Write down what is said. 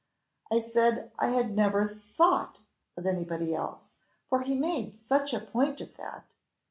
I said I had never THOUGHT of anybody else, for he made such a point of that.